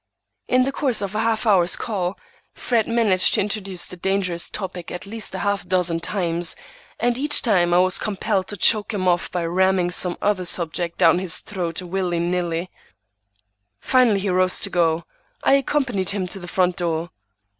In the course of a half hour's call, Fred managed to introduce the dangerous topic at least a half dozen times, and each time I was compelled to choke him off by ramming some other subject down his throat willy nilly. Finally he rose to go. I accompanied him to the front door.